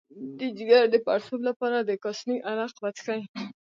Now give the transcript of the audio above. د ځیګر د پړسوب لپاره د کاسني عرق وڅښئ